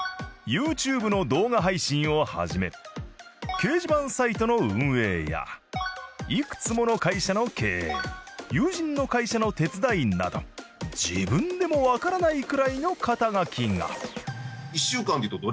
ＹｏｕＴｕｂｅの動画配信を始め掲示板サイトの運営やいくつもの会社の経営友人の会社の手伝いなど自分でもわからないくらいの肩書が。